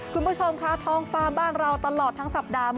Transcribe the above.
คุณผู้ชมค่ะท้องฟ้าบ้านเราตลอดทั้งสัปดาห์